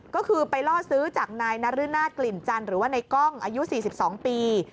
ก็คือไปล่อซื้อจากนายนรนาศกลิ่นจันทร์หรือว่าในกล้องอายุ๔๒ปี